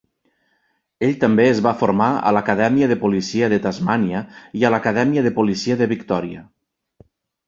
Ell també es va formar a l"Acadèmia de Policia de Tasmania i a l"Acadèmia de Policia de Victoria.